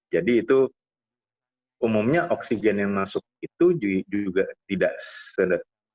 jadi itu umumnya oksigen yang masuk itu juga tidak sederhana